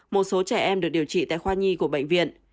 một số trẻ em được điều trị tại khoa nhi của bệnh viện